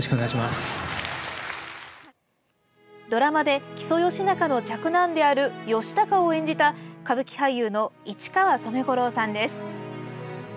ドラマで、木曽義仲の嫡男である義高を演じた歌舞伎俳優の市川染五郎さんです。